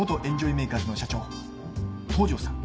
メーカーズの社長東城さん。